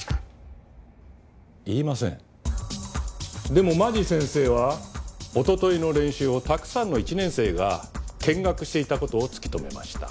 でも間地先生はおとといの練習をたくさんの１年生が見学していた事を突き止めました。